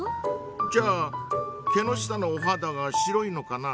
じゃあ毛の下のお肌が白いのかな？